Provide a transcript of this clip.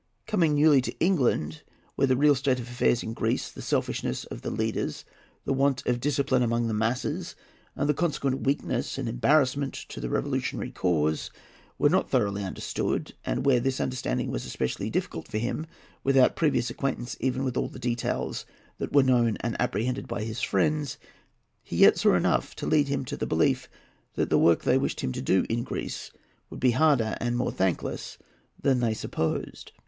Coming newly to England, where the real state of affairs in Greece, the selfishness of the leaders, the want of discipline among the masses, and the consequent weakness and embarrassment to the revolutionary cause, were not thoroughly understood, and where this understanding was especially difficult for him without previous acquaintance even with all the details that were known and apprehended by his friends, he yet saw enough to lead him to the belief that the work they wished him to do in Greece would be harder and more thankless than they supposed.